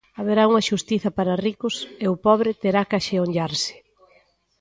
"Haberá unha Xustiza para ricos e o pobre terá que axeonllarse".